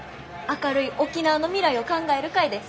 「明るい沖縄の未来を考える会」です。